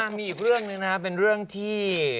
มีอีกเรื่องหนึ่งนะครับเป็นเรื่องที่